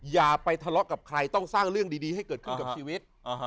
อย่าไปทะเลาะกับใครต้องสร้างเรื่องดีให้เกิดขึ้นกับชีวิต